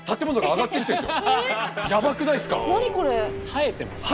生えてますね。